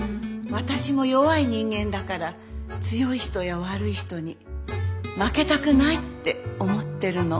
私も弱い人間だから強い人や悪い人に負けたくないって思ってるの。